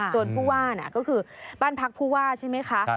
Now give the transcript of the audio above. จวนภูวานะก็คือบ้านพักภูวาใช่ไหมคะ